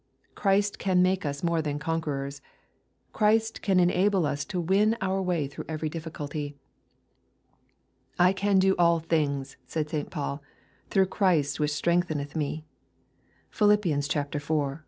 Christ can make us more than conquerors. Christ can enable us to win our way through every difficulty. " I can do all things," said St. Paul, " through Christ which Btrengtheneth me/' (Philip, iv.